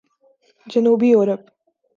جنوبی یورپ